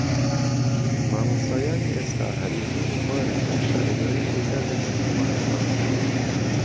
مامۆستایانی ئێستا ھەر یەکەی لە بوارێکدا شارەزایی پەیدادەکەن و وانە دەڵێنەوە